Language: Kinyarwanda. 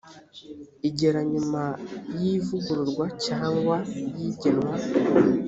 igera nyuma y ivugururwa cyangwa y igenwa